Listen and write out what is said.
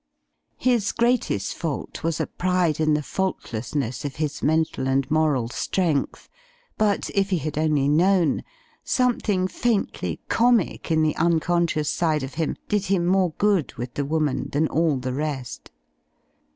His great est fault was a pride in the faultlessness of his mental and moral strength ; but, if he had only known, some thing faintly comic in the unconscious side of him did him more good with the woman than all the rest.